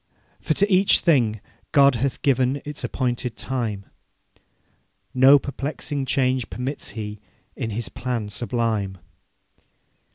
For to each thing God hath given Its appointed time; No perplexing change permits He In His plan sublime.